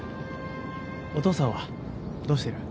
お父さんはどうしてる？